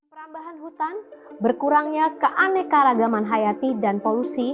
perambahan hutan berkurangnya keaneka ragaman hayati dan polusi